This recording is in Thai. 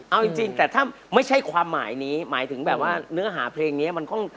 เอาจริงแต่ถ้าไม่ใช่ความหมายนี้หมายถึงแบบว่าเนื้อหาเพลงนี้มันต้อง